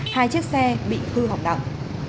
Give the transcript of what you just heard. hai chiếc xe bị cư hỏng nặng